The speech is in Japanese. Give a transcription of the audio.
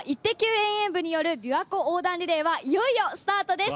遠泳部によるびわ湖横断リレーは、いよいよスタートです。